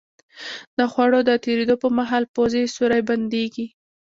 د خوړو د تېرېدو په مهال پوزې سوری بندېږي.